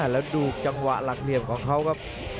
แล้วดูจังหวะหลังเรียมของเค้าก็